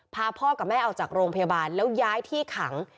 พาพ่อกับแม่ออกจากโรงพยาบาลแล้วย้ายที่ขัง